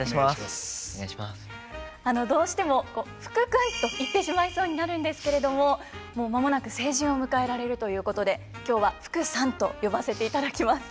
どうしても「福君」と言ってしまいそうになるんですけれども間もなく成人を迎えられるということで今日は「福さん」と呼ばせていただきます。